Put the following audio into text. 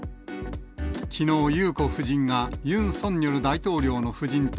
きのう、裕子夫人がユン・ソンニョル大統領の夫人と、